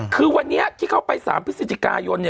คือวันนี้ที่เขาไป๓พฤศจิกายน